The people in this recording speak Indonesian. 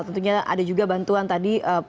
tentunya ada juga bantuan tadi